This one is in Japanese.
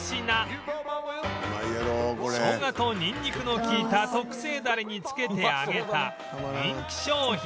ショウガとニンニクの利いた特製だれに漬けて揚げた人気商品